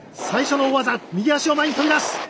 最初の大技、右足を前に飛び出す。